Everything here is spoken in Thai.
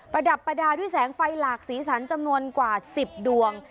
ประดับประดาษด้วยแสงไฟหลากสีสันจำนวนกว่า๑๐ดวง